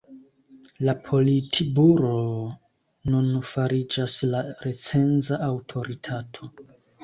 La Politburoo nun fariĝas la recenza aŭtoritato.